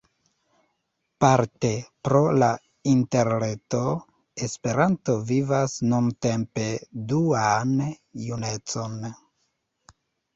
Parte pro la Interreto, Esperanto vivas nuntempe duan junecon.